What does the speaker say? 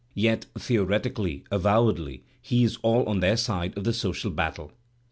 Yet, theoretically, avowedly, he is all on their side of the social battle.